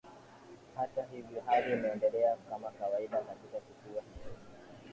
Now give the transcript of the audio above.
hata hivyo hali imeendelea kama kawaida katika kisiwa hicho